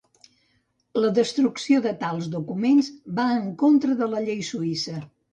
La destrucció de tals documents va en contra de la llei suïssa.